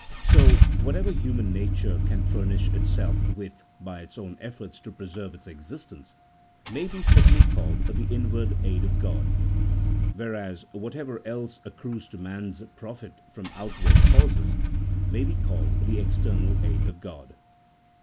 So whatever human nature can furnish itself with by its own efforts to preserve its existence, may be fitly called the inward aid of God, whereas whatever else accrues to man's profit from outward causes may be called the external aid of God.